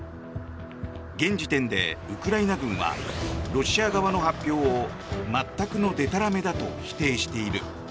現時点でウクライナ軍はロシア側の発表を全くのでたらめだと否定している。